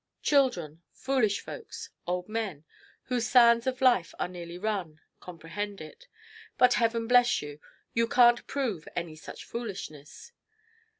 Children, foolish folks, old men, whose sands of life are nearly run, comprehend it. But heaven bless you! you can't prove any such foolishness.